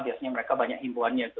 biasanya mereka banyak himbawannya